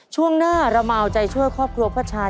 ช่วงหน้าเรามาเอาใจช่วยครอบครัวพ่อชาย